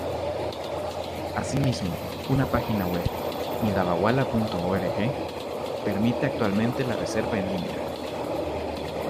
Asimismo, una página web, "mydabbawala.org", permite actualmente la reserva en línea.